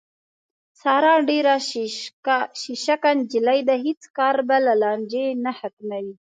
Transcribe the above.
ساره ډېره شیشکه نجیلۍ ده، هېڅ کار بې له لانجې نه ختموي.